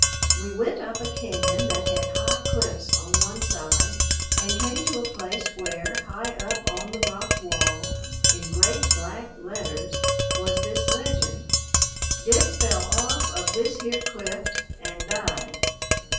We went up a cañon that had high cliffs on one side, and came to a place where, high up on the rock wall, in great black letters, was this legend: "Dick fell off of this here clift and died."